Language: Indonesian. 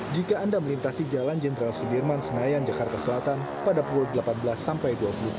jika anda melintasi jalan jenderal sudirman senayan jakarta selatan pada pukul delapan belas sampai dua puluh tiga